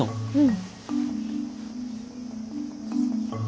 うん。